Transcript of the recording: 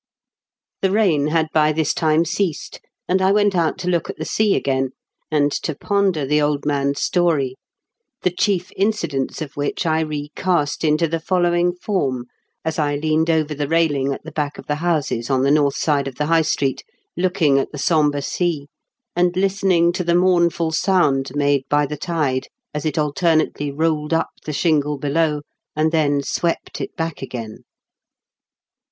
The rain had by this time ceased, and I went out to look at the sea again, and to ponder the old man's story, the chief incidents of which I recast into the following form as I leaned over the railing at the back of the houses on the north side of the High Street, looking at the sombre sea, and listening to the mournful sound made by the tide as it alter nately rolled up the shingle below, and then swept it back again.